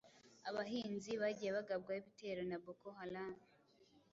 abahinzi bagiye bagabwaho ibitero na Boko Haram,